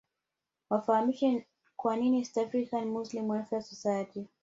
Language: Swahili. wafahamishwe kwa nini East African Muslim Welfare Society